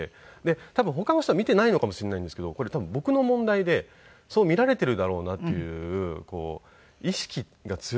多分他の人は見ていないのかもしれないんですけどこれ多分僕の問題でそう見られているだろうなっていう意識が強かったんですよね。